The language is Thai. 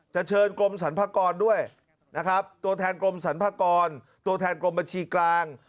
เชิญกรมสรรพากรด้วยนะครับตัวแทนกรมสรรพากรตัวแทนกรมบัญชีกลาง